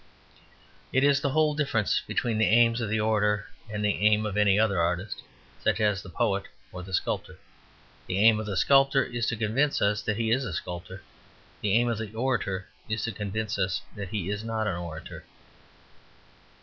It is the whole difference between the aim of the orator and the aim of any other artist, such as the poet or the sculptor. The aim of the sculptor is to convince us that he is a sculptor; the aim of the orator, is to convince us that he is not an orator.